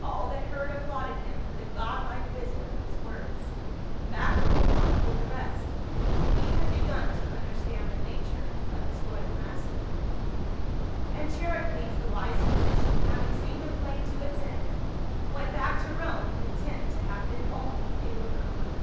All that heard applauded him for the god like wis dom of his words. Macro applauded with the rest ; he had begun to understand the nature of his royal master. 114 PA UL. And Charicles, the wise physician, having seen the play to its end, went back to Rome content to have been only a looker on.